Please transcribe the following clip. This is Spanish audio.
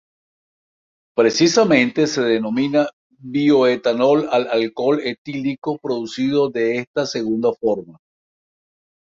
Precisamente se denomina bioetanol al alcohol etílico producido de esta segunda forma.